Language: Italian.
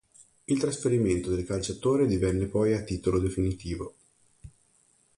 Il trasferimento del calciatore divenne poi a titolo definitivo.